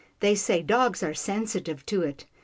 They say dogs are sensitive to it.